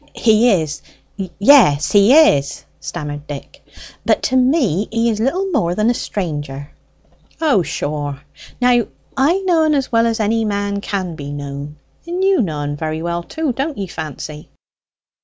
"He is; yes, he is," stammered Dick; "but to me he is little more than a stranger." "O, sure. Now I know en as well as any man can be known. And you know en very well too, don't ye, Fancy?"